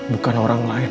bukan orang lain